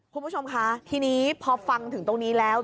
คุณผู้ชมคะทีนี้พอฟังถึงตรงนี้แล้ว